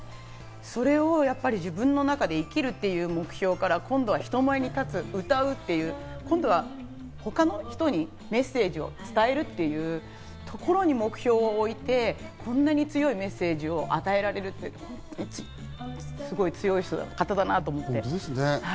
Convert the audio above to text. それを自分の中で生きるという目標から今度は人前に立つ、歌うという、今度は他の人にメッセージを伝えるというところに目標を置いて、こんなに強いメッセージを与えられるって本当にすごい強い人だな、強い方だなって。